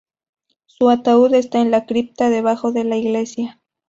Su ataúd está en la cripta debajo de la iglesia.